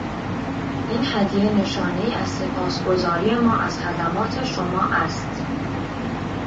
این هدیه نشانهای از سپاسگزاری ما از خدمات شما است.